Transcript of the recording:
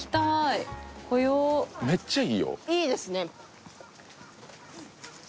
いいですね